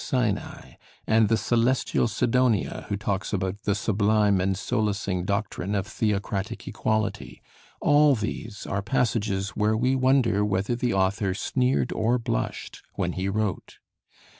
Sinai, and the celestial Sidonia who talks about the "Sublime and Solacing Doctrine of Theocratic Equality," all these are passages where we wonder whether the author sneered or blushed when he wrote.